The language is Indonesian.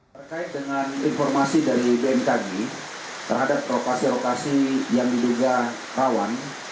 terkait dengan informasi dari bmkg terhadap lokasi lokasi yang diduga rawan